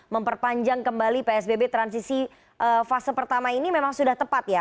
memperpanjang kembali psbb transisi fase pertama ini memang sudah tepat ya